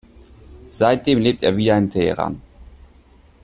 Seitdem lebt er wieder in Teheran.